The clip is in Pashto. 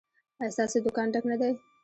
ایا ستاسو دکان ډک نه دی؟